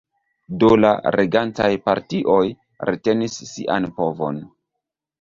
Do la regantaj partioj retenis sian povon.